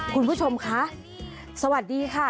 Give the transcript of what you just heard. คุณผู้ชมคะสวัสดีค่ะ